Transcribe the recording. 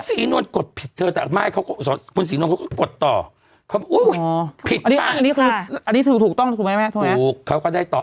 สนวลกดผิดเธอแต่ไม่คุณสนวลกดต่ออันนี้ถูกต้องถูกไหมถูกเขาก็ได้ต่อ